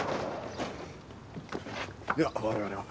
では我々は。